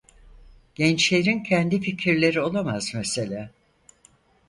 Gençlerin kendi fikirleri olamaz mesela.